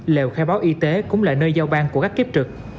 liệu khai báo y tế cũng là nơi giao ban của các kiếp trực